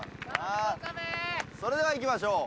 それではいきましょう。